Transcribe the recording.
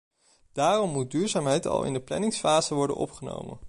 Daarom moet duurzaamheid al in de planningsfase worden opgenomen.